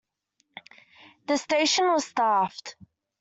The station was staffed.